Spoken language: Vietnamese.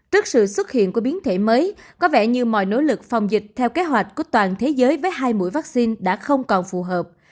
trước sự xuất hiện của biến thể mới có vẻ như mọi nỗ lực phòng dịch theo kế hoạch của toàn thế giới với hai mũi vaccine đã không còn phù hợp